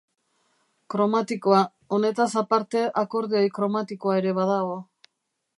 Kromatikoa: Honetaz aparte, akordeoi kromatikoa ere badago.